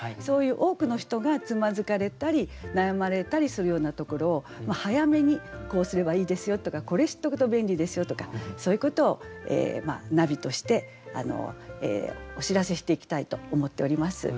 そういう多くの人がつまずかれたり悩まれたりするようなところを早めにこうすればいいですよとかこれ知っとくと便利ですよとかそういうことをナビとしてお知らせしていきたいと思っております。